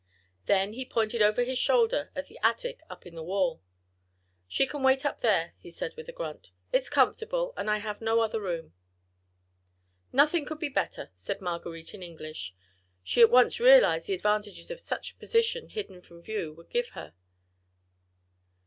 He then pointed over his shoulder at the attic up in the wall. "She can wait up there!" he said with a grunt. "It's comfortable, and I have no other room." "Nothing could be better," said Marguerite in English; she at once realised the advantages such a position hidden from view would give her.